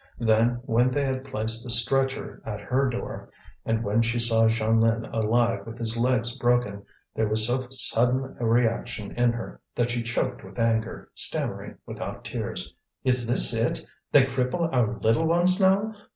Then, when they had placed the stretcher at her door and when she saw Jeanlin alive with his legs broken, there was so sudden a reaction in her that she choked with anger, stammering, without tears: "Is this it? They cripple our little ones now!